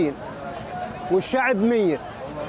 orang orang di bawah seratus mati